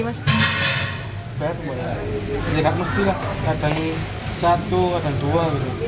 tidak mesti lah kadang satu kadang dua